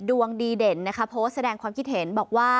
ดวงดีเด่นนะคะโพสต์แสดงความคิดเห็นบอกว่า